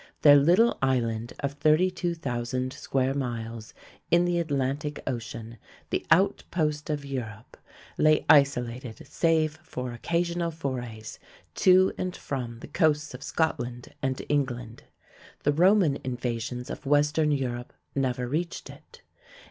Their little island of 32,000 square miles in the Atlantic Ocean, the outpost of Europe, lay isolated save for occasional forays to and from the coasts of Scotland and England. The Roman invasions of western Europe never reached it.